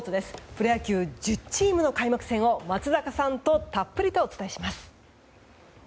プロ野球１０チームの開幕戦を松坂さんとたっぷりとお伝えします。